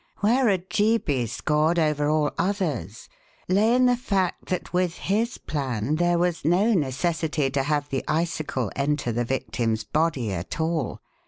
Where Ojeebi scored over all others lay in the fact that with his plan there was no necessity to have the icicle enter the victim's body at all.